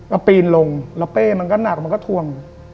เอาปีนลงแล้วเป้มันก็หนักมันก็ทวง